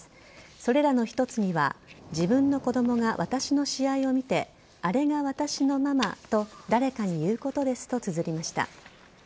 それらの一つには自分の子供が私の試合を見てあれが私のママと誰かに言うことですとつづりました。